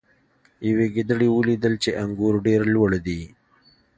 یوې ګیدړې ولیدل چې انګور ډیر لوړ دي.